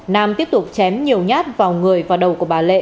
nam tiếp tục chém nhiều nhát vào người và đầu của bà lệ